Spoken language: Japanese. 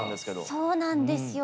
そうなんですよ。